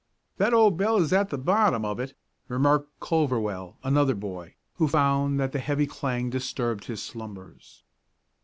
"That old bell is at the bottom of it," remarked Culverwell, another boy, who found that the heavy clang disturbed his slumbers.